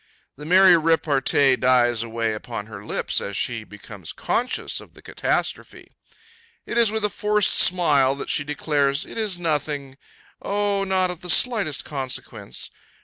The merry repartee dies away upon her lips, as she becomes conscious of the catastrophe. It is with a forced smile that she declares, "It is nothing; O, not of the slightest consequence!"